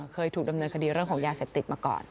เคยถูกดำเนินคดีเรื่องของยาเสพติดมาก่อน